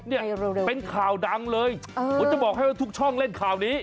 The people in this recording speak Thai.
เนี่ยเป็นข่าวดังเลยผมจะบอกให้ว่าทุกช่องเล่นข่าวนี้